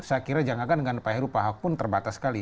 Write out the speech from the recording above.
saya kira jangankan dengan pak heru pak ahok pun terbatas sekali